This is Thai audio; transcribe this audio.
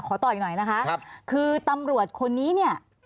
ขอต่ออีกหน่อยนะคะคือตำรวจคนนี้